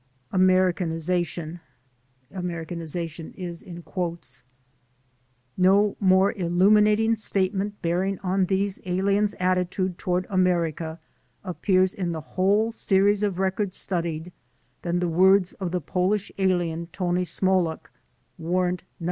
^^Americanization" No more illuminating statement bearing on these aliens' attitude toward America, appears in the whole series of records studied than the words of the Polish alien, Tony Smollok (Warrant No.